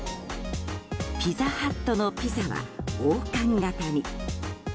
ピザハットのピザは王冠形に。